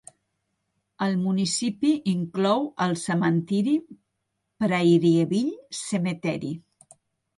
El municipi inclou el cementiri Prairieville Cemetery.